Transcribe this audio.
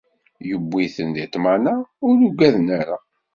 Iwwi-ten di ṭṭmana, ur uggaden ara.